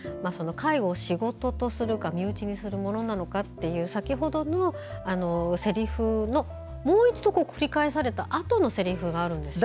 介護を仕事とするか身内にするものなのかという先ほどのせりふのもう一度繰り返されたあとのせりふがあるんです。